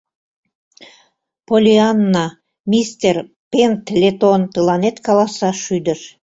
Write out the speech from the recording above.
— Поллианна, мистер Пендлетон тыланет каласаш шӱдыш.